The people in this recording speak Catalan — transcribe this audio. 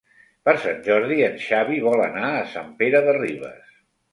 Per Sant Jordi en Xavi vol anar a Sant Pere de Ribes.